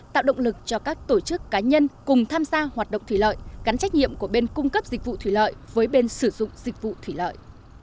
tạo động lực cho các tổ chức cá nhân cùng tham gia hoạt động thủy lợi gắn trách nhiệm của bên cung cấp dịch vụ thủy lợi với bên sử dụng dịch vụ thủy lợi